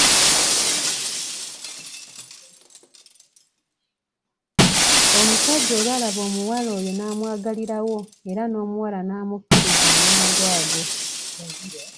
Omusajja olw'alaba omuwala oyo n'amwagalirawo era n'omuwala n'amukkiriza amangu ago.